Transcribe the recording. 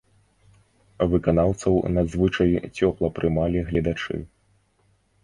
Выканаўцаў надзвычай цёпла прымалі гледачы.